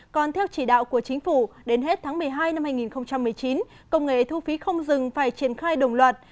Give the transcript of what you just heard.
còn theo chỉ đạo của chính phủ đến hết tháng một mươi hai năm hai nghìn một mươi chín công nghệ thu phí không dừng phải triển khai đồng loạt